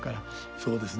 そうですね。